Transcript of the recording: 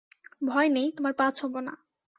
ভয় নেই, তোমার পা ছোঁব না।